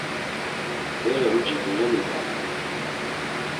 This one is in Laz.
Bere uci dolomibaray.